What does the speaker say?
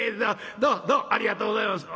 どうもどうもありがとうございます」。